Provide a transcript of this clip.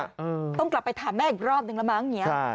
ใช่ค่ะต้องกลับไปถามแม่อีกรอบหนึ่งละมั้ง